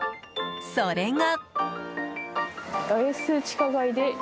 それが。